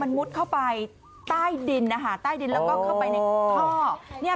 มันมุดเข้าไปใต้ดินนะคะใต้ดินแล้วก็เข้าไปในท่อเนี่ย